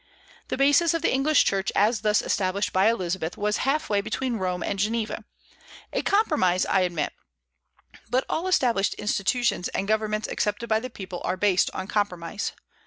The basis of the English Church as thus established by Elizabeth was half way between Rome and Geneva, a compromise, I admit; but all established institutions and governments accepted by the people are based on compromise.